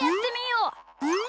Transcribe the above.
うん。